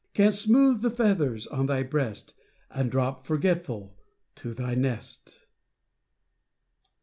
Canst smooth the feathers on thy breast, And drop, forgetful, to thy nest.